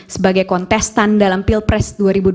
sebagai kontestan dalam pilpres dua ribu dua puluh